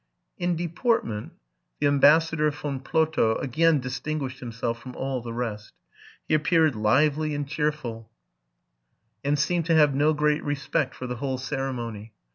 In deportment the Ambassador Von Plotho again distin guished himself from all the rest. He appeared lively and cheerful, and seemed to have no great respect for the whole ceremony.